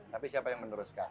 tapi siapa yang meneruskan